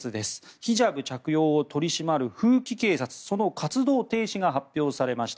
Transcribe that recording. ヒジャブ着用を取り締まる風紀警察その活動停止が発表されました。